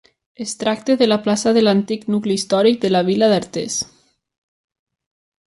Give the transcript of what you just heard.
Es tracta de la plaça de l'antic nucli històric de la vila d'Artés.